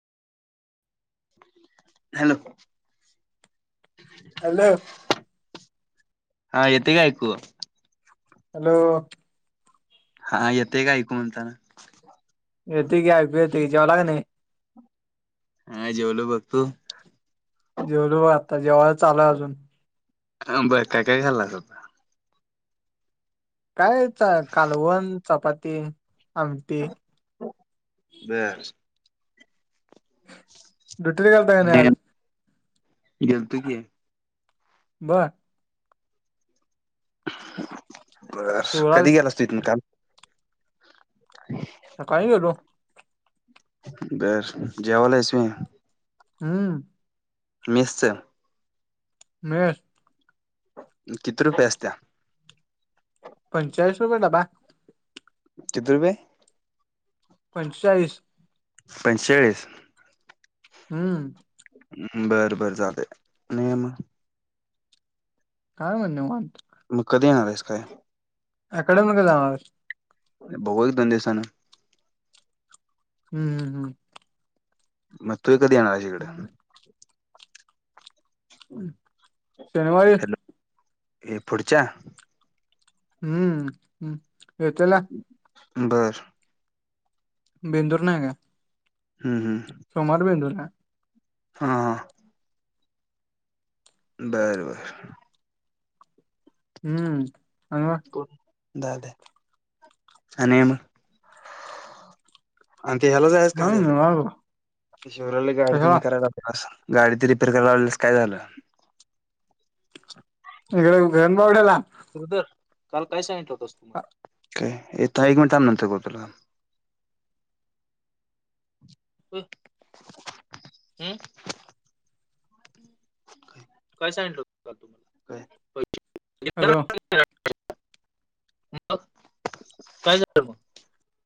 Hello! Hello! हा येते काय ऐकू? हॅलो! हा येतेय का ऐकू म्हणताना, येतय की ऐकू येते जेवाला काय नाही. हा जेवलो बघ तू जेवलो बघ आता जेवाय चालूय अजून अ बर काय काय खाल्लासा? काय कालवण, चपाती, आमटी बरं ड्युटी गेलता काय नाही आणि आज? गेलतो की, बर बस शिवराज कधी गेला तू इथून काल. [inaudible] सकाळी गेलो [inaudible] बर जेवला आहेस म्हण. हम्म मिसच बरं किती रुपये असतिया? पंचाळीस रुपये डबा. किती रुपये? पंचेचाळीस. पंचेचाळीस. हम्म. बरं बर चालतय दया आणि काय मग? काय नाही ब निवांत. मग कधी येणार आहेस काय? अकॅडमीला जाणार हाईस. बघू एक दोन दिवसान हू हम्म. मग तू कधी येणार आहेस इकडें? हम्म हम् [unintelligible] हॅलो. हे पुढच्या हूमम येतेल्या बरं. बेंदूर नाही ए का? हू हुं. सोमवारी बेंदूर ना. हा हा. बर बर. हम्म सोमवार. दाद्या आणि काय म? आणि ते ह्याला जायचं हा काय झालं? निवांत बघ ते शौर्याला गाडी तेजि कशाला हे करायला. आस गाडी ती रिपेअर करायला आणलेलीस काय झालं? इकड भेंबवड्याला श्रीदर काल काय सांगितलं होतास तु मला? काय ताई एक मिनिट थांब नंतर बोलतो तुला हुं. काय सांगितलं होतं? काल तुम्हाला काय होय की हॅलो. मग काय झाल.